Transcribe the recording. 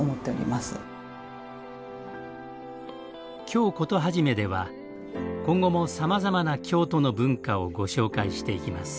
「京コトはじめ」では今後もさまざまな京都の文化をご紹介していきます。